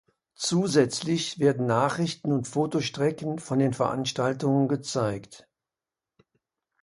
Zusätzlich werden Nachrichten und Fotostrecken von den Veranstaltungen gezeigt.